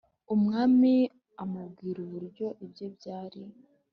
Umwami amubwira uburyo ibye byari